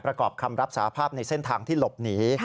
ประกอบคำรับสาภาพในเส้นทางที่หลบหนี